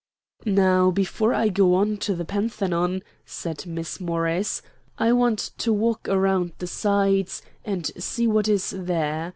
"Now, before I go on to the Parthenon," said Miss Morris, "I want to walk around the sides, and see what is there.